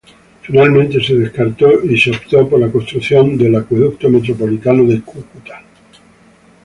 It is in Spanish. Finalmente se descartó, y se optó por la construcción del Acueducto Metropolitano de Cúcuta.